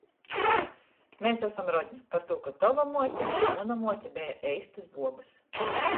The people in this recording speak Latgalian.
Mes asam rodņa partū, ka tova muote i muna muote beja eistys buobys.